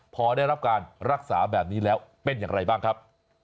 พอได้รับการรักษาแบบนี้แล้วเป็นอย่างไรบ้างครับ